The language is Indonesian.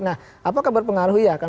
nah apakah berpengaruh ya